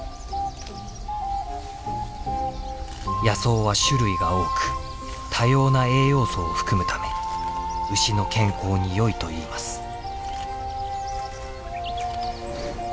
野草は種類が多く多様な栄養素を含むため牛の健康によいといいます。